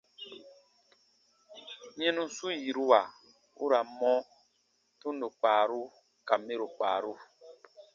Yɛnusu yiruwa u ra n mɔ : tundo kpaaru ka mɛro kpaaru.